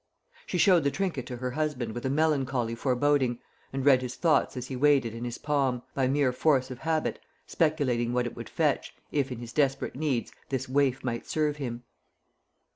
She showed the trinket to her husband with a melancholy foreboding, and read his thoughts as he weighed it in his palm, by mere force of habit, speculating what it would fetch, if in his desperate needs this waif might serve him.